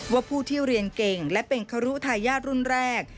ผู้ที่เรียนเก่งและเป็นครุทายาทรุ่นแรก